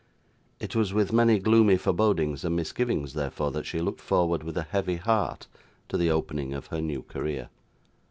It was with many gloomy forebodings and misgivings, therefore, that she looked forward, with a heavy heart, to the opening of her new career.